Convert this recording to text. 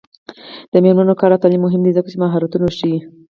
د میرمنو کار او تعلیم مهم دی ځکه چې مهارتونه ورښيي.